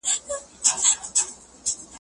که ئې يقين وو، يا ئې ګمان وو، چي طلاق ئې ويلی دی.